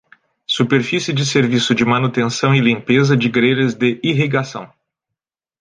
Superfície de serviço de manutenção e limpeza de grelhas de irrigação.